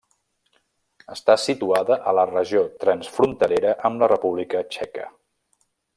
Està situada a la regió transfronterera amb la República Txeca.